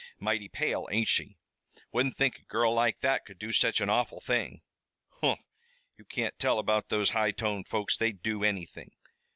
"Mighty pale, ain't she?" "Wouldn't think a girl like that could do such an awful thing!" "Humph! you can't tell about these high toned folks. They'd do anything.